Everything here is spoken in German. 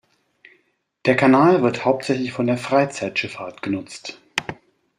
Der Kanal wird hauptsächlich von der Freizeitschifffahrt genutzt.